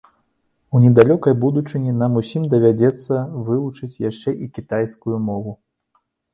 У недалёкай будучыні нам усім давядзецца вывучыць яшчэ і кітайскую мову.